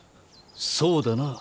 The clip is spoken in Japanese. そうだな。